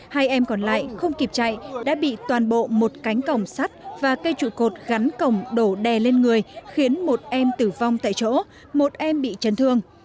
hai em còn lại không kịp chạy đã bị toàn bộ một cánh cổng sắt và cây trụ cột gắn cổng đổ đè lên người khiến một em tử vong tại chỗ một em bị chấn thương